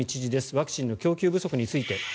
ワクチンの供給不足について。